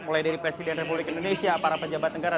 mulai dari presiden republik indonesia para pejabat negara